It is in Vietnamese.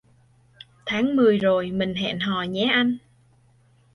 Tháng mười rồi mình hò hẹn nhé anh